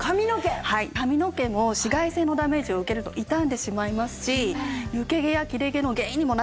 髪の毛も紫外線のダメージを受けると傷んでしまいますし抜け毛や切れ毛の原因にもなってしまうんですね。